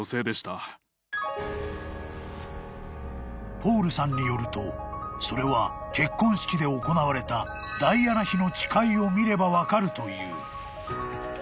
［ポールさんによるとそれは結婚式で行われたダイアナ妃の誓いを見れば分かるという］